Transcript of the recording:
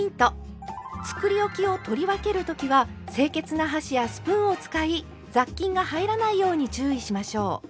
つくりおきを取り分けるときは清潔な箸やスプーンを使い雑菌が入らないように注意しましょう。